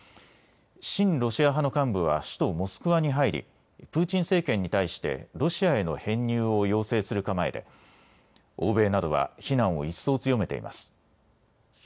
親ロシア派の幹部は首都モスクワに入りプーチン政権に対してロシアへの編入を要請する構えで欧米などは非難を一層、強めています。